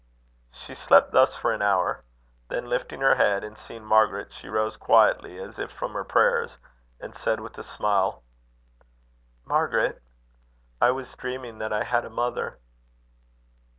She slept thus for an hour. Then lifting her head, and seeing Margaret, she rose quietly, as if from her prayers, and said with a smile: "Margaret, I was dreaming that I had a mother."